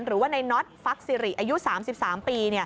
หรือว่าในน็อตฟักซิริอายุ๓๓ปี